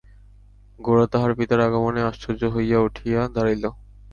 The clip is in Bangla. গোরা তাহার পিতার আগমনে আশ্চর্য হইয়া উঠিয়া দাঁড়াইল।